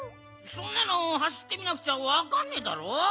そんなのはしってみなくちゃわかんねえだろ。